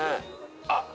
あっ！